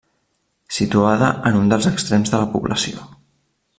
Situada en un dels extrems de la població.